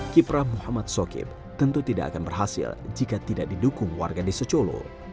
kiprah muhammad sokib tentu tidak akan berhasil jika tidak didukung warga desa colo